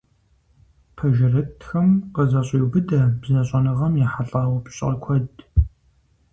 Пэжырытхэм къызэщӏеубыдэ бзэщӏэныгъэм ехьэлӏа упщӏэ куэд.